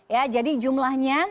ya jadi jumlahnya